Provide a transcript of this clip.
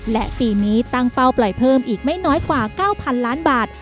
และปีนี้ตั้งเป้าปล่อยเพิ่มอีกไม่น้อยกว่า๙๐๐ล้านบาท